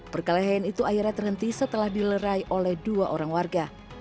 perkelahian itu akhirnya terhenti setelah dilerai oleh dua orang warga